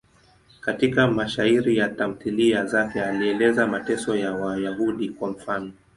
Katika mashairi na tamthiliya zake alieleza mateso ya Wayahudi, kwa mfano.